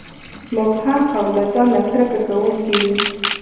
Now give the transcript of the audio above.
مبهم او له ځان نه کرکه کوونکي وي.